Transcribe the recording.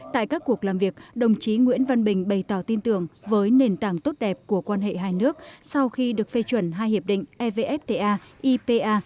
tại các cuộc làm việc đồng chí nguyễn văn bình bày tỏ tin tưởng với nền tảng tốt đẹp của quan hệ hai nước sau khi được phê chuẩn hai hiệp định evfta ipa